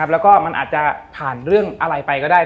แล้วก็มันอาจจะผ่านเรื่องอะไรไปก็ได้